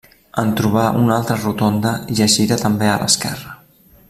En trobar una altra rotonda i es gira també a l'esquerra.